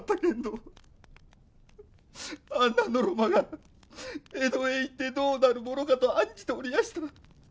あんなのろまが江戸へ行ってどうなるものかと案じておりやした。